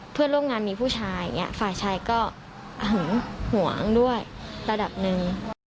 เพื่อนร่วมงานมีผู้ชายอย่างนี้ฝ่ายชายก็หึงห่วงด้วยระดับหนึ่ง